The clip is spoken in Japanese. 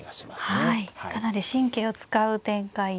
かなり神経を使う展開に。